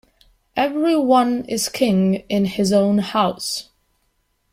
Every one is king in his own house.